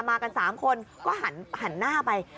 มากัน๓คนก็หันหน้าไป